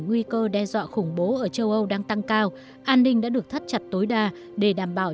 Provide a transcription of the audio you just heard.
nguy cơ đe dọa khủng bố ở châu âu đang tăng cao an ninh đã được thắt chặt tối đa để đảm bảo